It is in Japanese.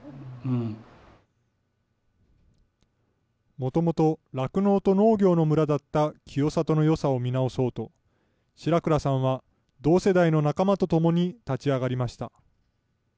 もともと、酪農と農業の村だった清里のよさを見直そうと、白倉さんは同世代の仲間と共に立ち上がりました。